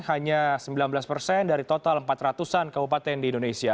hanya sembilan belas persen dari total empat ratus an kabupaten di indonesia